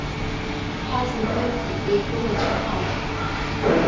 Ҳазынтәыкгьы еигәылацәоу ҳауп…